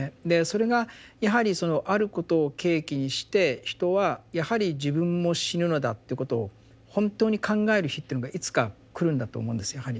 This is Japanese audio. でそれがやはりそのあることを契機にして人はやはり自分も死ぬのだということを本当に考える日っていうのがいつか来るんだと思うんですよ